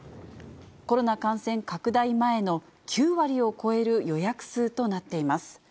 コロナ感染拡大前の９割を超える予約数となっています。